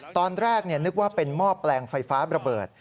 ตอนแรกนึกว่าเป็นหม้อแปลงไฟฟ้าระเบิด